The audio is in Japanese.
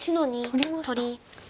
取りました。